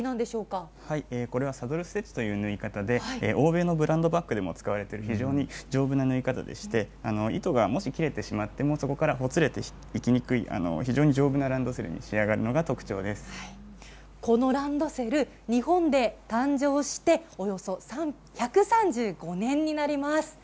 これはサドルステッチという縫い方で欧米のブランドバッグにも使われている非常に丈夫な縫い方でしてもし糸が切れてしまってもそこから、ほつれていきにくい非常に丈夫なランドセルにこのランドセル日本で誕生しておよそ１３５年になります。